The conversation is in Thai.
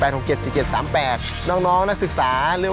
แล้วก็สองก็คือโรคขี้เปื่อยหางเปื่อยเหือกเปื่อยหางเปื่อยเหือกเปื่อย